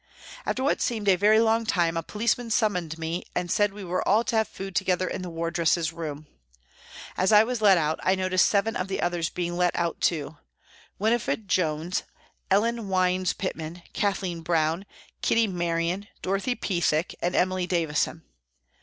After what seemed a very long time, a policeman summoned me, and said we were all to have food together in the wardresses' room. As I was let out I noticed seven of the others being let out too Winifred Jones, Ellen Wines Pitman, Kathleen Brown, Kitty Marion, Dorothy Pethick and Emily Davison.